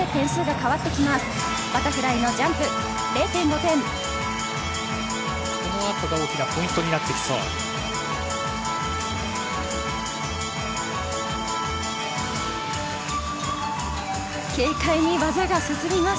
この後、大きなポイントになってきそうです。